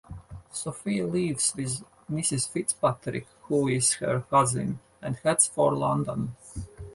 Sophia leaves with Mrs. Fitzpatrick, who is her cousin, and heads for London.